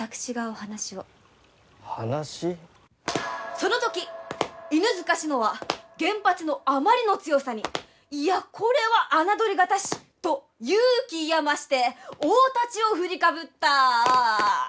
その時犬塚信乃は現八のあまりの強さに「いやこれは侮りがたし」と勇気いや増して大太刀を振りかぶった。